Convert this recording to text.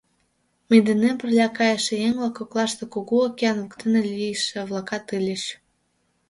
Мый денем пырля кайыше еҥ-влак коклаште Кугу океан воктене лийше-влакат ыльыч.